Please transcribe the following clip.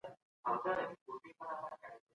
بهرنيان پښتو زده کوي.